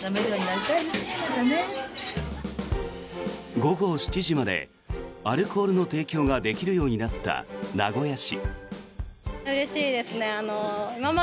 午後７時までアルコールの提供ができるようになった名古屋市。